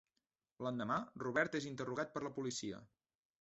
L'endemà, Robert és interrogat per la policia.